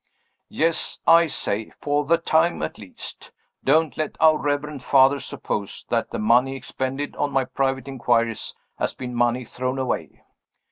Yes! I say "for the time at least." Don't let our reverend fathers suppose that the money expended on my private inquiries has been money thrown away.